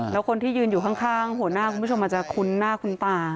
แล้วคนที่ยืนอยู่ข้างหัวหน้าคุณผู้ชมอาจจะคุ้นหน้าคุ้นตา